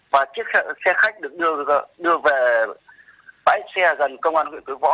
và chiếc xe khách được đưa về bãi xe gần công an huyện cứu võ